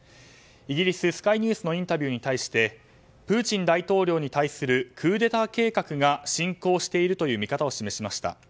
イギリス、スカイ・ニュースのインタビューに対してプーチン大統領に対するクーデター計画が進行しているという見方を示しました。